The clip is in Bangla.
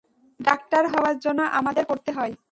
ডাক্তার হওয়ার জন্য আমাদের পড়তে হয়।